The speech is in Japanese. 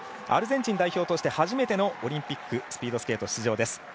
アルゼンチン代表として初めてのオリンピックスピードスケート出場です。